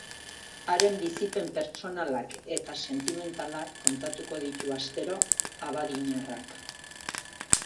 Haren bizipen pertsonalak eta sentimentalak kontatuko ditu astero abadiñarrak.